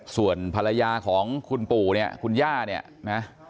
ส่วนภรรยาของคุณปู่เนี่ยคุณย่าเนี่ยนะ